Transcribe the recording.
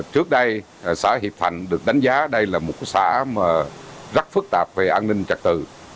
trước đây xã hiệp thạnh được đánh giá đây là một xã mà rất phức tạp về an ninh trật tự